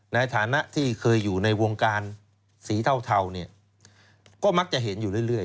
ในฐานะที่เคยอยู่ในวงการสีเทาเนี่ยก็มักจะเห็นอยู่เรื่อย